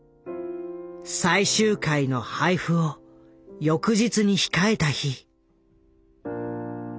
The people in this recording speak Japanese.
最終回の配布を翌日に控えた日。